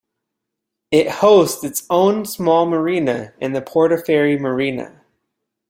It hosts its own small Marina, the Portaferry Marina.